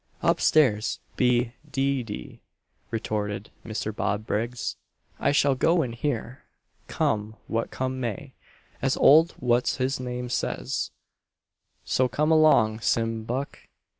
"Up stairs be d d!" retorted Mr. Bob Briggs, "I shall go in here, come what come may, as old what's his name says; so come along, Sim Buck!